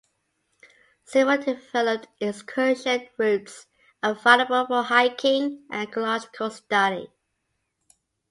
Several developed excursion routes are available for hiking and ecological study.